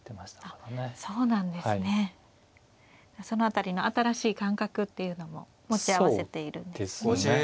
その辺りの新しい感覚っていうのも持ち合わせているんですね。